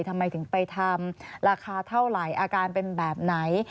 ทำไมถึงไปทำราคาเท่าไหร่อาการเป็นแบบไหน